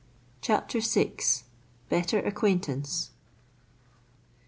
49 CHAPTER VI. BETTER ACQUAINTANCE.